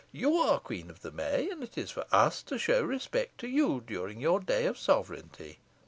You are queen of May, and it is for us to show respect to you during your day of sovereignty.